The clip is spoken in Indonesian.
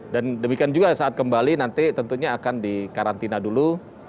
dan demikian juga saat kembali nanti tentunya akan dikarantina dulu